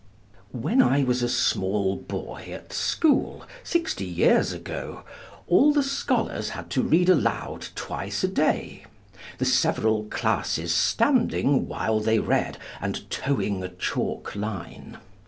When I was a small boy, at school, sixty years ago, all the scholars had to read aloud twice a day; the several classes standing while they read, and toeing a chalk line.